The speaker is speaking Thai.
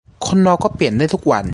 คนเราก็เปลี่ยนได้ทุกวัน